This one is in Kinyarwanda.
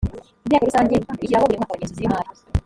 inteko rusange ishyiraho buri mwaka abagenzuzi b imari